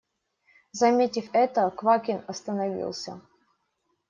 Заметив это, Квакин остановился.